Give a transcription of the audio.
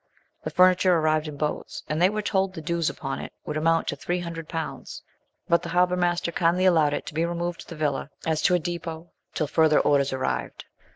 The furniture arrived in boats, and they were told the dues upon it would amount to three hundred pounds, but the harbour master kindly allowed it to be removed to the villa as to a depot till further orders arrived.